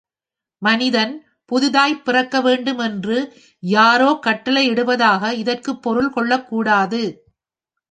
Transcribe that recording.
மனிதன் புதிதாய்ப் பிறக்க வேண்டும் என்று யாரோ கட்டளையிடுவதாக இதற்குப் பொருள் கொள்ளக் கூடாது.